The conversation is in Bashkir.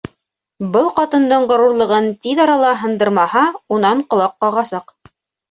Был ҡатындың ғорурлығын тиҙ арала һындырмаһа, унан ҡолаҡ ҡағасаҡ.